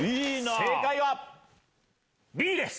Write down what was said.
正解はＢです！